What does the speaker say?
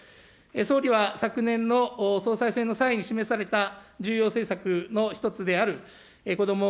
総理は昨年の総裁選の際に示された重要政策の１つである子ども